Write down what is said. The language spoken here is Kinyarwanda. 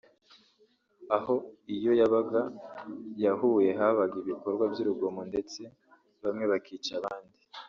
aho iyo yabaga yahuye habaga ibikorwa by’urugomo ndetse bamwe bakica abandi